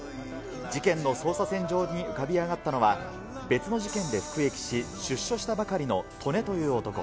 事件の捜査線上に浮かび上がったのは、別の事件で服役し、出所したばかりの利根という男。